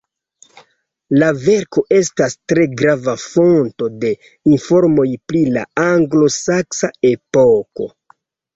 La verko estas tre grava fonto de informoj pri la anglosaksa epoko.